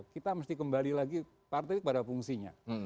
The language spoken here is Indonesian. kita mesti kembali lagi partai kepada fungsinya